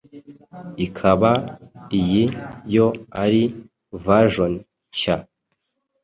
ikaba iyi yo ari version nshya